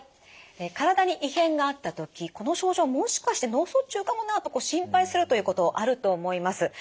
体に異変があった時この症状もしかして脳卒中かもなとこう心配するということあると思います。